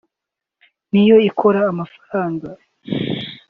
niyo ikora amafaranga